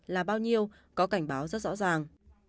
là bao nhiêu có cảnh báo rất rõ ràng